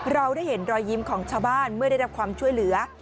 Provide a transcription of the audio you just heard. เราได้เห็นรอยยิ้มของชาวบ้านเมื่อได้รับความช่วยเหลือ